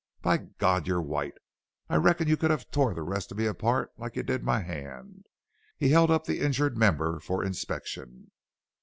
"By God, you're white! I reckon you could have tore the rest of me apart like you did my hand." He held up the injured member for inspection.